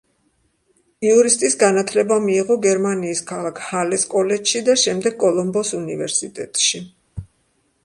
იურისტის განათლება მიიღო გერმანიის ქალაქ ჰალეს კოლეჯში და შემდეგ კოლომბოს უნივერსიტეტში.